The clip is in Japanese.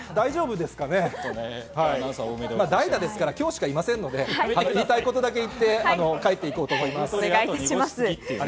代打ですから、今日しかいませんので、言いたいことだけ言って帰っていきます。